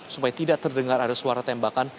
supaya tidak terdengar ada suara tembakan